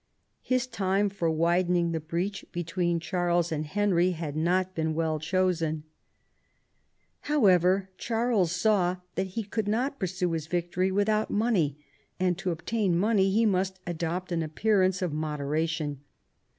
His time for widening the breach between Charles and Henry had not been well chosen. no THOMAS WOLSEY chap. However, Charles saw that he could not pursue his victory without money, and to obtain money he must adopt an appearance of moderation.